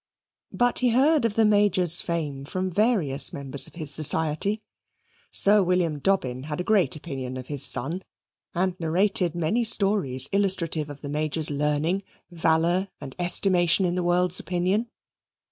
But he heard of the Major's fame from various members of his society. Sir William Dobbin had a great opinion of his son and narrated many stories illustrative of the Major's learning, valour, and estimation in the world's opinion.